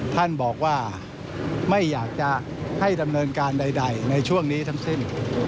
ท่านบอกว่าไม่อยากจะให้ดำเนินการใดในช่วงนี้ทั้งสิ้น